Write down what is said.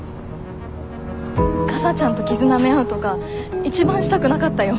かさちゃんと傷なめ合うとか一番したくなかったよ。